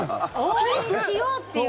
応援しようっていう。